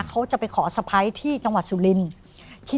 เขาจะไปขอสะพ้ายที่จังหวัดสุรินทร์